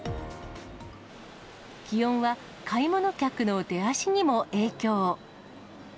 気温は買い物客の出足にも影響。